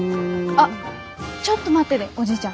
あっちょっと待ってでおじいちゃん。